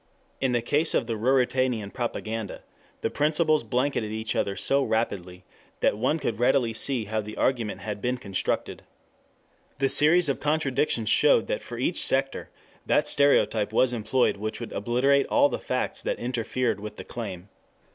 In the case of the Ruritanian propaganda the principles blanketed each other so rapidly that one could readily see how the argument had been constructed. The series of contradictions showed that for each sector that stereotype was employed which would obliterate all the facts that interfered with the claim.